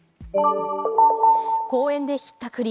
公園でひったくり。